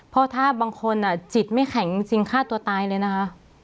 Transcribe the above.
เพราะถ้าบางคนจิตไม่แข็งจริงฆ่าตัวตายเลยนะคะ